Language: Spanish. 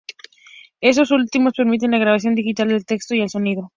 Estos últimos permiten la grabación digital del texto y el sonido.